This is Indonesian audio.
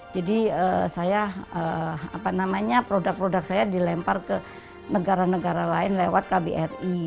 jadi saya apa namanya produk produk saya dilempar ke negara negara lain lewat kbri